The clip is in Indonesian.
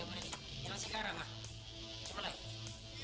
ini masih karang pak coba lagi